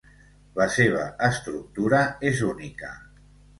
La seva estructura és única.